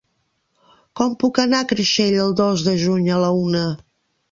Com puc anar a Creixell el dos de juny a la una?